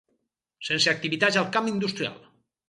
Sense activitats al camp industrial.